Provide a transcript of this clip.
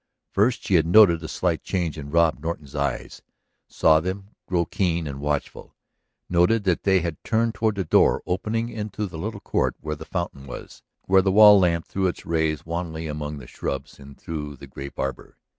First she had noted a slight change in Rod Norton's eyes, saw them grow keen and watchful, noted that they had turned toward the door opening into the little court where the fountain was, where the wall lamp threw its rays wanly among the shrubs and through the grape arbor.